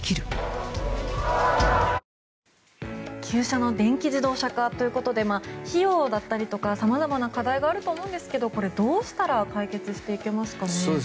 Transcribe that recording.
旧車の電気自動車化ということで費用だったりとかさまざまな課題があると思うんですが、どうしたら解決していけますかね。